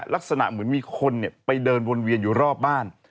ลักษณะเหมือนมีคนไปเดินวนเวียนอยู่รอบบ้าน